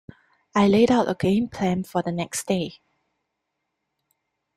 I laid out a game plan for the next day.